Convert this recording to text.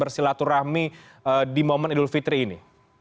selatur rahmi di momen idul fitri ini